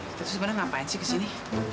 kita tuh sebenernya ngapain sih kesini